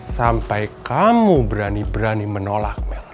sampai kamu berani berani menolak